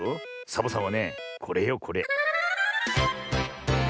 サボさんはねこれよこれ。